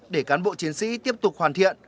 để cán bộ chiến sĩ tiếp tục hoàn thiện